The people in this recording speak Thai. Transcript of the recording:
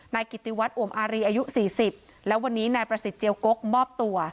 กิติวัตรอวมอารีอายุ๔๐แล้ววันนี้นายประสิทธิเจียวกกมอบตัว